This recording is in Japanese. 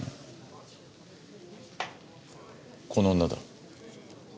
この女だ。